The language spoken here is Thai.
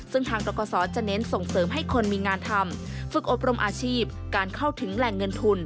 ซึ่งทางกรกศจะเน้นส่งเสริมให้คนมีงานทำฝึกอบรมอาชีพการเข้าถึงแหล่งเงินทุน